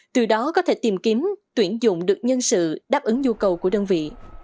từ đó có thể tìm kiếm tuyển dụng được nhân sự đáp ứng nhu cầu của đơn vị